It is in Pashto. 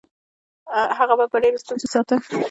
هغه به یې په ډېرو ستونزو ساته.